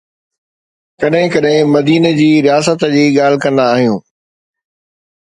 ڪڏهن ڪڏهن مديني جي رياست جي ڳالهه ڪندا آهيون.